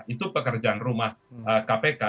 itu pekerjaan rumah kpk